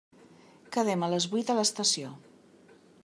Quedem a les vuit a l'estació.